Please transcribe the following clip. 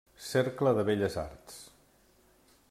Cercle de Belles Arts.